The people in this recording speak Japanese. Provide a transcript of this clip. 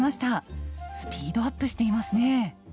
スピードアップしていますね！